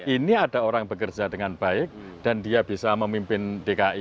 ini ada orang bekerja dengan baik dan dia bisa memimpin dki